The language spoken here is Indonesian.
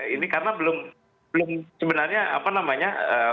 ini karena belum sebenarnya apa namanya